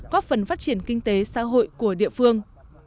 góp phần phát triển kinh tế xã hội của địa phương